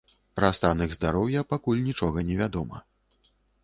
Пра стан іх здароўя пакуль нічога не вядома.